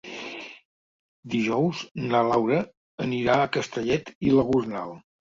Dijous na Laura anirà a Castellet i la Gornal.